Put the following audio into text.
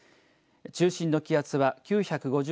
中心の気圧は９５０